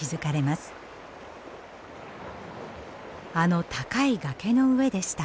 あの高い崖の上でした。